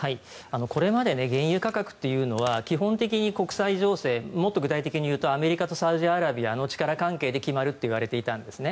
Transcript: これまで原油価格というのは基本的に国際情勢もっと具体的に言うとアメリカとサウジアラビアの力関係で決まるといわれていたんですね。